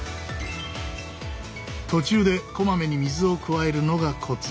途中でこまめに水を加えるのがコツ。